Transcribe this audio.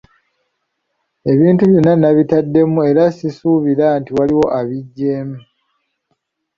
Ebintu byonna nabitaddemu era sisuubira nti waliwo abiggyeemu.